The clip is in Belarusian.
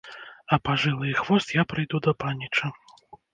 А па жылы і хвост я прыйду да паніча.